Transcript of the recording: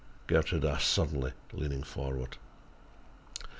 Gertrude asked suddenly, leaning forward.